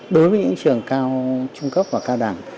đối với những trường cao trung cấp và cao đẳng